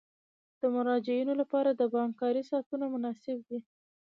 د مراجعینو لپاره د بانک کاري ساعتونه مناسب دي.